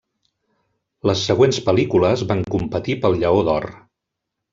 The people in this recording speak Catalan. Les següents pel·lícules van competir pel Lleó d'Or.